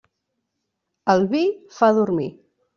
El vi fa dormir.